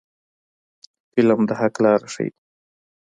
فلم د حق لاره ښيي